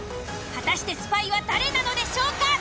果たしてスパイは誰なのでしょうか？